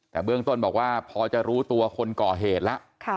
แต่เบื้องต้นบอกว่าพอจะรู้ตัวคนก่อเหตุแล้ว